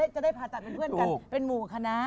จะได้ผ่าตัดเป็นเพื่อนกันเป็นหมู่คณะ